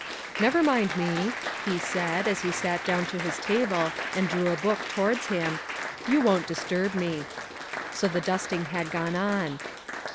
" Never mind me," he had said, as he sat down to his table and drew a book towards him, " you won't disturb me." So the dusting had gone on.